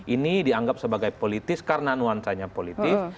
ini dianggap sebagai politis karena nuansanya politis